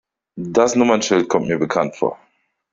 Das Nummernschild kommt mir bekannt vor.